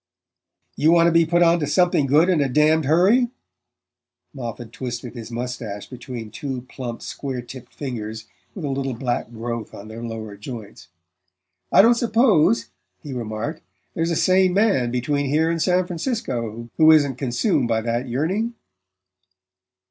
"You want to be put onto something good in a damned hurry?" Moffatt twisted his moustache between two plump square tipped fingers with a little black growth on their lower joints. "I don't suppose," he remarked, "there's a sane man between here and San Francisco who isn't consumed by that yearning."